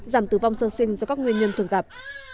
giảm tử vong sơ sinh do các nguyên nhân thường gặp